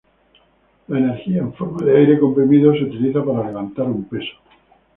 La energía en forma de aire comprimido se utiliza para levantar un peso.